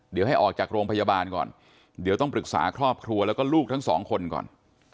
เดี๋ยวให้ออกจากโรงพยาบาลก่อนเดี๋ยวต้องปรึกษาครอบครัวแล้วก็ลูกทั้งสองคนก่อน